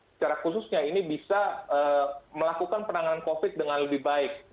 secara khususnya ini bisa melakukan penanganan covid dengan lebih baik